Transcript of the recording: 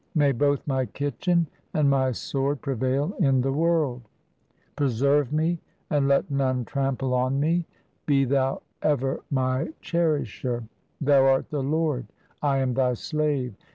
May both my kitchen and my sword prevail in the world ! 1 Preserve me and let none trample on me ; Be Thou ever my cherisher ! Thou art the Lord, I am Thy slave.